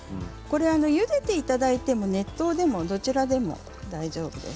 ゆでていただいても熱湯でもどちらでも大丈夫です。